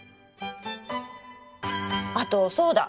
あとそうだ！